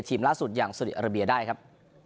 ล่าสุดอย่างสุริอาราเบียได้ครับ